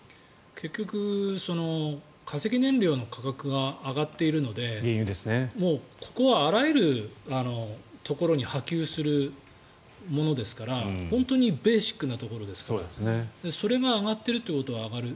結局、化石燃料の価格が上がっているのでもうここはあらゆるところに波及するものですから本当にベーシックなところですからそれが上がってるということは上がる。